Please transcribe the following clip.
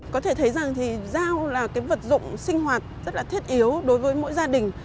có thể thấy rằng dao là vật dụng sinh hoạt rất thiết yếu đối với mỗi gia đình